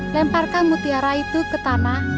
lemparkan mutiara itu ke tanah